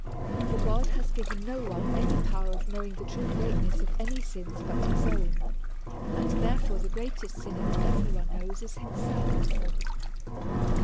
For God has given no one any power of knowing the true greatness of any sins, but his own ; and, therefore, the greatest sinner that every one knows is himself.